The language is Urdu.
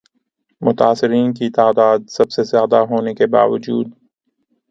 متاثرین کی تعداد سب سے زیادہ ہونے کے باوجود